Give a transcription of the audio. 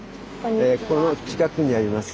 この近くにあります